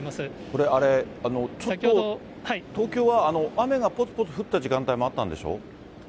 これ、東京は雨がぽつぽつ降った時間帯もあったんでしょ？